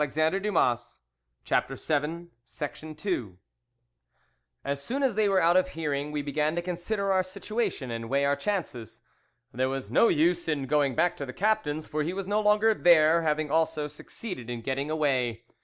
However, in a short time they went away. "As soon as they were out of hearing we began to consider our situation and weigh our chances. There was no use in going back to the captain's, for he was no longer there, having also succeeded in getting away.